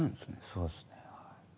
そうですね。